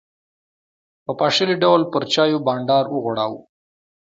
په پاشلي ډول پر چایو بانډار وغوړاوه.